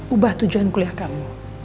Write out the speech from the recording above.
ubah tujuan kuliah kamu